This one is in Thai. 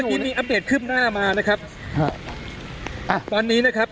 แล้วเมื่อกี้มีอัปเดตขึ้นหน้ามานะครับอ่าตอนนี้นะครับ